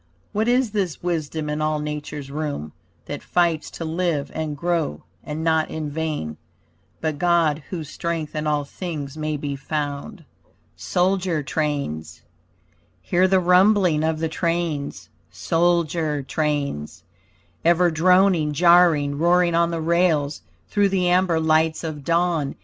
What is this wisdom in all nature's room That fights to live and grow, and not in vain, But God, whose strength in all things may be found. SOLDIER TRAINS Hear the rumbling of the trains, Soldier trains. Ever droning, jarring, roaring on the rails Through the amber lights of dawn.